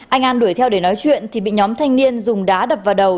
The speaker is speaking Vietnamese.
anh an đuổi theo để nói chuyện thì bị nhóm thanh niên dùng đá đập vào đầu